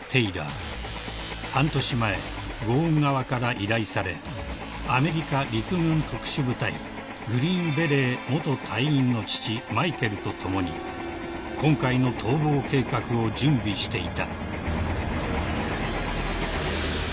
［半年前ゴーン側から依頼されアメリカ陸軍特殊部隊グリーンベレー元隊員の父マイケルと共に今回の逃亡計画を準備していた］